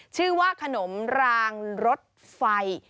ชื่อว่าขนมรางรถไฟ